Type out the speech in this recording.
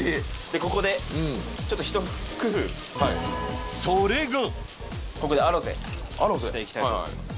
ここでちょっと一工夫ここでアロゼしていきたいと思います